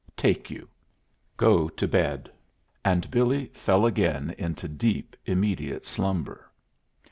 "Take you. Got to bed." And Billy fell again into deep, immediate slumber.